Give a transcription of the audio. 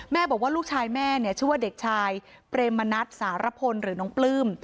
บอกว่าลูกชายแม่เนี่ยชื่อว่าเด็กชายเปรมมณัฐสารพลหรือน้องปลื้ม